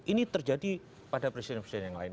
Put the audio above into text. ini terjadi pada presiden presiden yang lain